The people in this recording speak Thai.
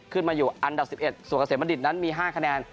ขึ้นมาอยู่อันดับ๑๑ส่วนเกษมบัณฑิตนั้นมี๕คะแนน